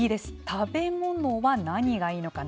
食べ物は何がいいのか。